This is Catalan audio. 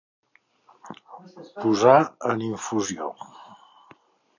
Posar en infusió.